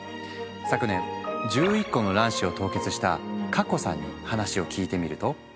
昨年１１個の卵子を凍結した佳香さんに話を聞いてみると。